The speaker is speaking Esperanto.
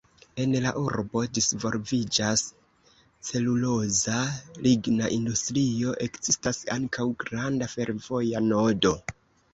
En la urbo disvolviĝas celuloza–ligna industrio, ekzistas ankaŭ granda fervoja nodo.